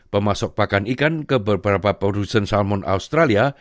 pemasok pakan ikan ke beberapa produsen salmon australia